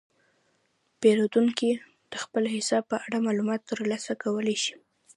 پیرودونکي د خپل حساب په اړه معلومات ترلاسه کولی شي.